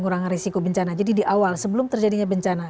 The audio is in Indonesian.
mengurangi risiko bencana jadi di awal sebelum terjadinya bencana